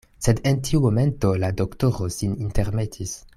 Sed en tiu momento la doktoro sin intermetis.